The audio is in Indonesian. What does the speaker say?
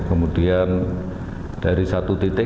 kemudian dari satu titik